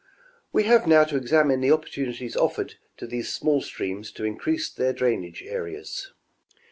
We have now to examine the opportunities offered to these small streams to increase their drainage areas.